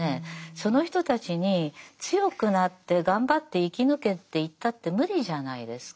その人たちに強くなって頑張って生き抜けっていったって無理じゃないですか。